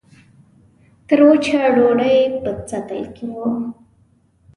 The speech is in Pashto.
وچه ډوډۍ په سطل کې وه.